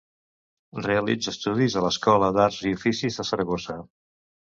Realitza estudis a l'Escola d'Arts i Oficis de Saragossa.